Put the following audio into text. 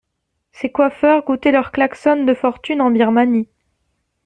Ces coiffeurs goûtaient leur klaxon de fortune en Birmanie.